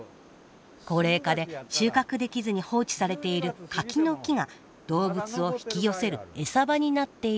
高齢化で収穫できずに放置されている柿の木が動物を引き寄せるえさ場になっていると言います。